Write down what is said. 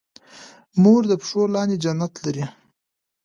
مور د پښو لاندې جنت لري